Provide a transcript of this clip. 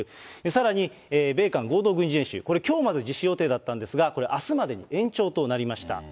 さらに、米韓合同軍事演習、これ、きょうまで実施予定だったんですが、これ、あすまでに延長となりました。